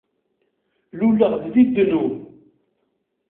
Luleɣ-d di ddnub.